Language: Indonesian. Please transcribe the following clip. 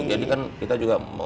jadi kan kita juga mau